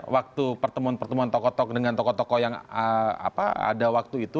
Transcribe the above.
waktu pertemuan pertemuan tokoh tokoh dengan tokoh tokoh yang ada waktu itu